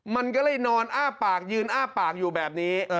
มันก็เลยนอนอ้าปากยืนอ้าปากอยู่แบบนี้